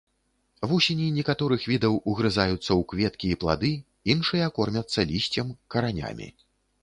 Вусені некаторых відаў угрызаюцца ў кветкі і плады, іншыя кормяцца лісцем, каранямі.